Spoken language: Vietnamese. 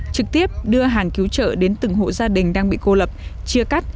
trực tiếp đưa hàng cứu trợ đến từng hộ gia đình đang bị cô lập chia cắt